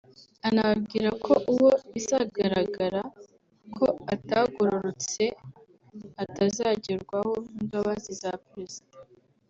anababwira ko uwo bizagaragara ko atagororotse atazagerwaho n’imbabazi za Perezida